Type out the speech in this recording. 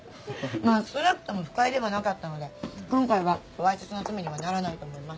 まあ少なくとも不快ではなかったので今回はわいせつの罪にはならないと思います。